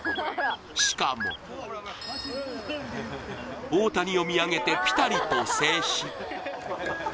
しかも大谷を見上げて、ピタリと静止。